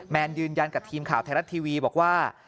แนนยืนยันกับทีมข่าวไทยรัฐทีวีบอกว่า